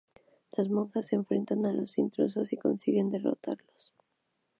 Las monjas se enfrentan a los intrusos y consiguen derrotarlos.